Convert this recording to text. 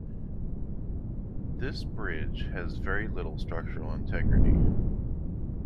This bridge has very little structural integrity.